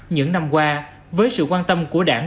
những năm qua với sự quan tâm của đảng